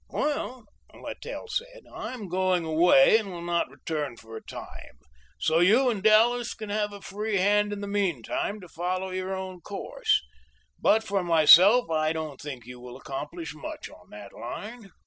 "Well," Littell said, "I am going away and will not return for a time, so you and Dallas can have a free hand in the meantime to follow your own course, but for myself I don't think you will accomplish much on that line."